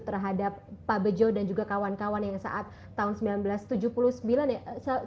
terhadap pak bejo dan juga kawan kawan yang saat tahun seribu sembilan ratus tujuh puluh sembilan ya